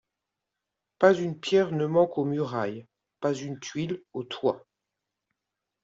Pas une pierre ne manque aux murailles, pas une tuile au toit.